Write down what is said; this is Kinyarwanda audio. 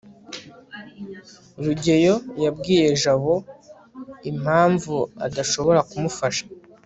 rugeyo yabwiye jabo impamvu adashobora kumufasha